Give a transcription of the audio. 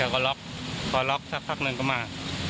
ก็ล็อกพอล็อกสักพักหนึ่งก็มา